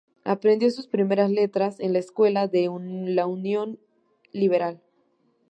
Aprendió sus primeras letras en la Escuela de la Unión Liberal.